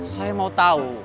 saya mau tau